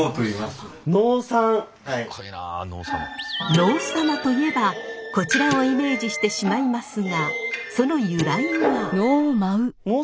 能サマといえばこちらをイメージしてしまいますがその由来は？